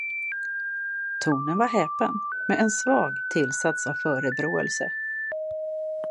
Tonen var häpen med en svag tillsats av förebråelse.